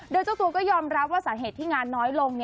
โดยเจ้าตัวก็ยอมรับว่าสาเหตุที่งานน้อยลง